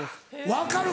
分かる！